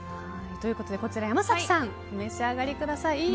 ということでこちら、山崎さんお召し上がりください。